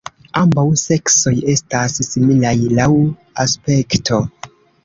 Ambaŭ seksoj estas similaj laŭ aspekto.